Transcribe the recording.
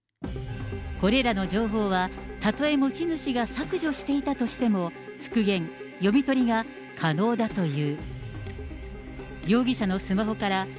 これらの情報は、たとえ持ち主が削除していたとしても、復元、読み取りが可能だという。